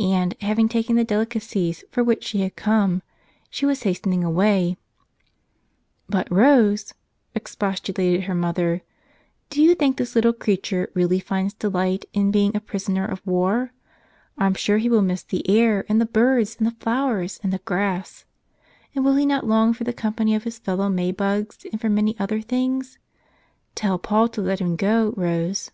And, having taken the del¬ icacies for which she had come, she was hastening away — "But, Rose," expostulated her mother, "do you think this little creature really finds delight in being a 'pris¬ oner of war'? I'm sure he will miss the air and the 38 A " Prisoner of War " birds and the flowers and the grass. And will ne not long for the company of his fellow May bugs and for many other things? Tell Paul to let him go, Rose."